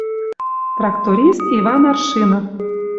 Тракторист Иван Аршинов